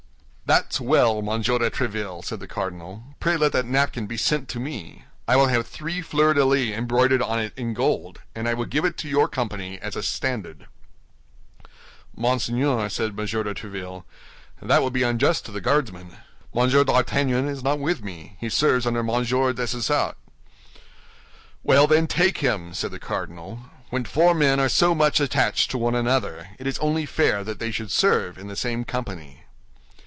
"That's well, Monsieur de Tréville," said the cardinal; "pray let that napkin be sent to me. I will have three fleur de lis embroidered on it in gold, and will give it to your company as a standard." "Monseigneur," said M. de Tréville, "that will be unjust to the Guardsmen. Monsieur d'Artagnan is not with me; he serves under Monsieur Dessessart." "Well, then, take him," said the cardinal; "when four men are so much attached to one another, it is only fair that they should serve in the same company."